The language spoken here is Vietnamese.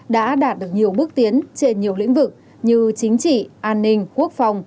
đã đạt được nhiều bước tiến trên nhiều lĩnh vực như chính trị an ninh quốc phòng